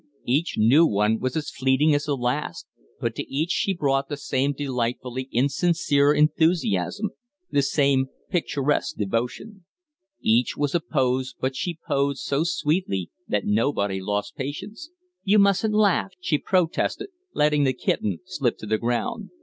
Each new one was as fleeting as the last, but to each she brought the same delightfully insincere enthusiasm, the same picturesque devotion. Each was a pose, but she posed so sweetly that nobody lost patience. "You mustn't laugh!" she protested, letting the kitten slip to the ground.